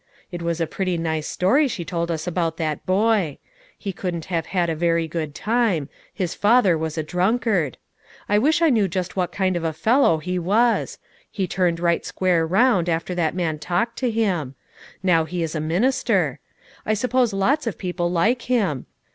It was a pretty nice story she told us about that boy. He couldn't have had a very good time; his father was a drunkard. I wish I knew just about what kind of a fellow he was; he turned right square round after that man talked to him. Now he is a minister; I suppose lots of people like him.